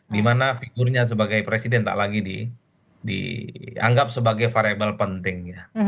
dimana figurnya sebagai presiden tak lagi dianggap sebagai variable pentingnya